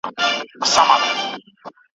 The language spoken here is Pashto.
زندان سو انسانانو ته دنیا په کرنتین کي